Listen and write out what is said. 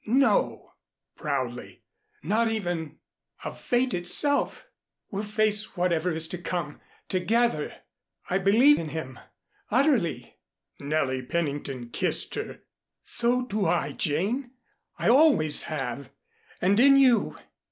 "No," proudly. "Not even of Fate itself. We'll face whatever is to come together. I believe in him utterly." Nellie Pennington kissed her. "So do I, Jane. I always have and in you.